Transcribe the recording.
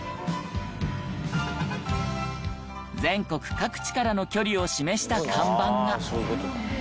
全国各地からの距離を示した看板が。